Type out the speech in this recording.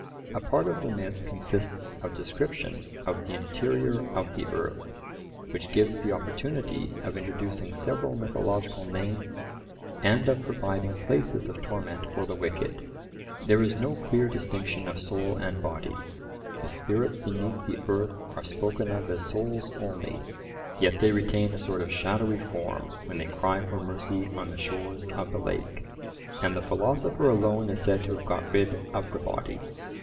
A part of the myth consists of description of the interior of the earth, which gives the opportunity of introducing several mythological names and of providing places of torment for the wicked. There is no clear distinction of soul and body; the spirits beneath the earth are spoken of as souls only, yet they retain a sort of shadowy form when they cry for mercy on the shores of the lake; and the philosopher alone is said to have got rid of the body.